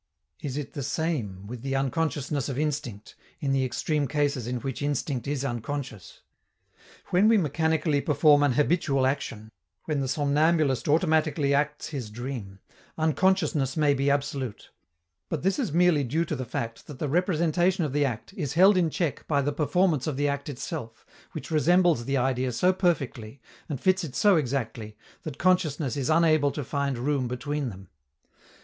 Is it the same with the unconsciousness of instinct, in the extreme cases in which instinct is unconscious? When we mechanically perform an habitual action, when the somnambulist automatically acts his dream, unconsciousness may be absolute; but this is merely due to the fact that the representation of the act is held in check by the performance of the act itself, which resembles the idea so perfectly, and fits it so exactly, that consciousness is unable to find room between them.